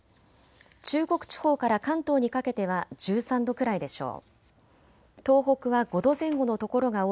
中国地方から関東にかけては１３度くらいでしょう。